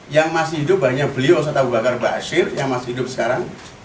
yang masih hidup hanya beliau ustadzah abu bakar bashir yang masih hidup sekarang